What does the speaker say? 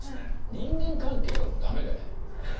人間関係がもうダメでね